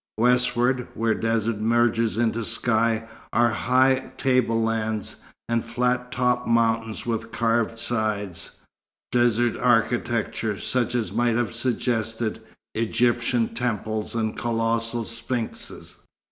Westward, where desert merges into sky, are high tablelands, and flat topped mountains with carved sides, desert architecture, such as might have suggested Egyptian temples and colossal sphinxes.